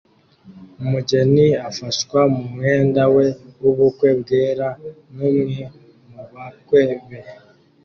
Umugeni afashwa mu mwenda we w'ubukwe bwera n'umwe mu bakwe be